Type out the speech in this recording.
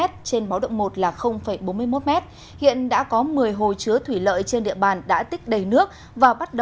trên báo động một là bốn mươi một m hiện đã có một mươi hồ chứa thủy lợi trên địa bàn đã tích đầy nước và